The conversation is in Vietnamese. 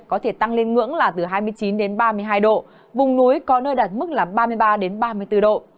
có thể tăng lên ngưỡng là từ hai mươi chín đến ba mươi hai độ vùng núi có nơi đạt mức là ba mươi ba đến ba mươi bốn độ